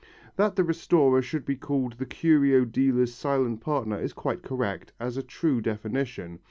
That the restorer should be called the curio dealer's silent partner is quite correct as a true definition.